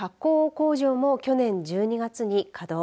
工場も去年１２月に稼働。